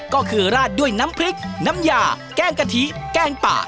ก็คือราดด้วยน้ำพริกน้ำยาแกล้งกะทิแกงป่า